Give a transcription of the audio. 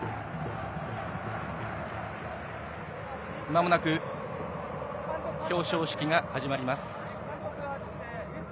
まもなく表彰式が始まります。